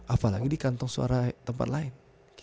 apalagi di kantong suara tempat lain